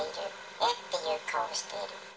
えっ？っていう顔をしている。